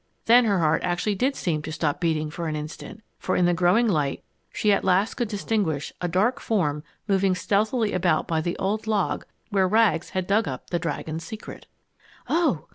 Then her heart actually did seem to stop beating for an instant, for in the growing light she at last could distinguish a dark form moving stealthily about by the old log where Rags had dug up the "Dragon's Secret!" "Oh!